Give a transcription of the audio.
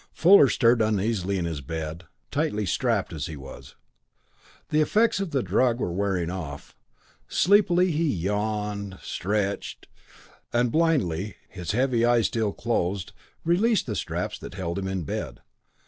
Fuller stirred uneasily in his bed, tightly strapped as he was. The effects of the drug were wearing off. Sleepily he yawned stretched, and blindly, his heavy eyes still closed, released the straps that held him in bed.